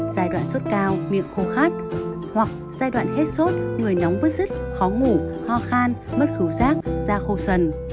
giai đoạn sốt cao miệng khô khát hoặc giai đoạn hết sốt người nóng vứt dứt khó ngủ ho khan mất khửu sát da khô sần